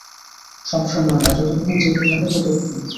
সব সময় না, যতক্ষণ জেগে থাকো ততক্ষণ।